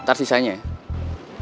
ntar sisanya ya